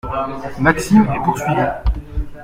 Maxime est poursuivi.